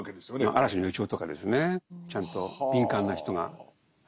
嵐の予兆とかですねちゃんと敏感な人が。は。